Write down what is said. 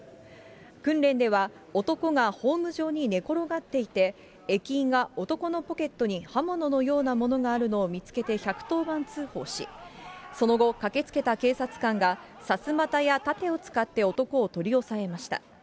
訓練では男がホーム上に寝転がっていて、駅員が男のポケットに刃物のようなものがあるのを見つけて１１０番通報し、その後、駆けつけた警察官がさすまたや盾を使って男を取り押さえました。